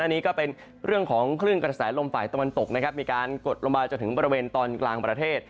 อันนี้ก็เป็นเรื่องของคลื่นกระแสลมฝ่ายตะวันตกนะครับมีการกดลงมาจนถึงบริเวณตอนกลางประเทศ